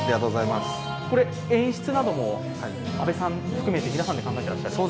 これ、演出なども安部さん含めて皆さんで考えてらっしゃる？